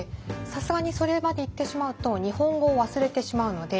さすがにそれまでいってしまうと日本語を忘れてしまうので。